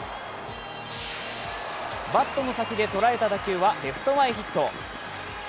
バットの先で捉えた打球はレフト前ヒット。